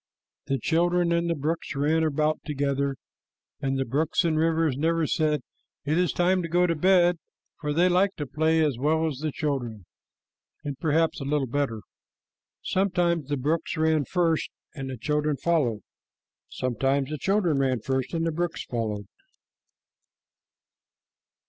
The children and the brooks ran about together, and the brooks and rivers never said, "It is time to go to bed," for they liked to play as well as the children, and perhaps a little better. Sometimes the brooks ran first and the children followed. Sometimes the children ran first and the brooks followed.